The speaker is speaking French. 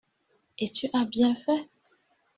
Et tu as bien fait.